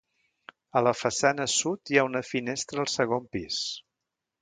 A la façana sud hi ha una finestra al segon pis.